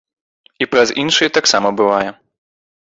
І праз іншыя таксама бывае.